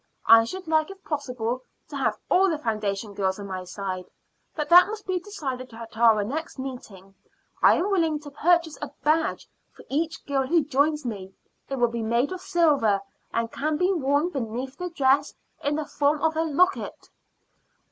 I should like if possible to have all the foundation girls on my side, but that must be decided at our next meeting. I am willing to purchase a badge for each girl who joins me; it will be made of silver, and can be worn beneath the dress in the form of a locket."